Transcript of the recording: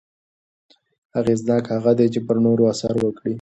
اغېزناک هغه دی چې پر نورو اثر وکړي.